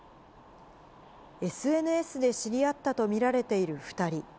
ＳＮＳで知り合ったと見られている２人。